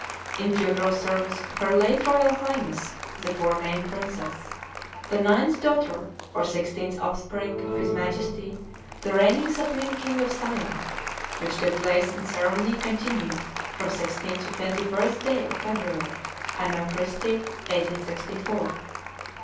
in funeral service of Her late Royal Highness the forenamed princess, the ninth daughter or sixteenth offspring of His Majesty the reigning Supreme King of Siam, which took place in ceremony continued from 16th to 21st day of February Anno Christi 1864.